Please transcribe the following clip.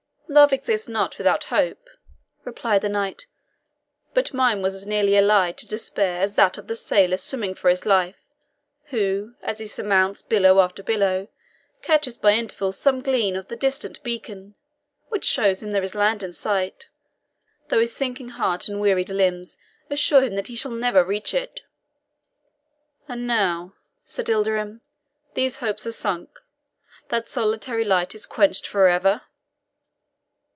"Love exists not without hope," replied the knight; "but mine was as nearly allied to despair as that of the sailor swimming for his life, who, as he surmounts billow after billow, catches by intervals some gleam of the distant beacon, which shows him there is land in sight, though his sinking heart and wearied limbs assure him that he shall never reach it." "And now," said Ilderim, "these hopes are sunk that solitary light is quenched for ever?"